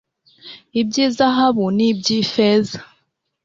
iby izahabu n iby ifeza